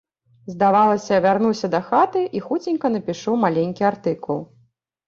Здавалася, вярнуся дахаты і хуценька напішу маленькі артыкул.